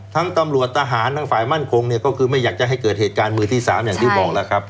ตำรวจทหารทั้งฝ่ายมั่นคงเนี่ยก็คือไม่อยากจะให้เกิดเหตุการณ์มือที่๓อย่างที่บอกแล้วครับ